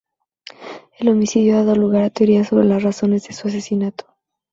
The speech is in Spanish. El homicidio ha dado lugar a teorías sobre las razones de su asesinato.